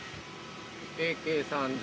ＡＫ３０